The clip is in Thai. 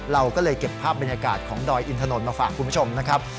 เราก็เลยเก็บภาพบรรยากาศของดอยอินถนนมาฝากคุณผู้ชมนะครับ